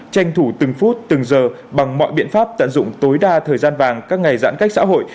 tranh thủ từng phút từng giờ bằng mọi biện pháp tận dụng tối đa thời gian vàng các ngày giãn cách xã hội